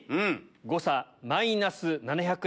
誤差マイナス７００円。